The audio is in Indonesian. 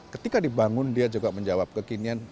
ketika dibangun dia juga menjawab kekinian